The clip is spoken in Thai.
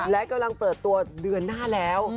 และกำลังเปิดตัวเดือนหน้าแล้ว